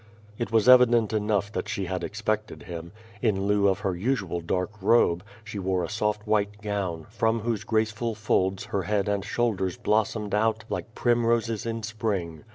It was evident enough that she had expected him. In lieu of her usual dark robe, she wore a soft white gown, from whose graceful folds her head and shoulders blossomed out like primroses in Spring.